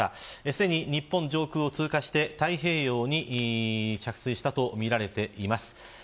すでに日本上空を通過して太平洋に着水したとみられています。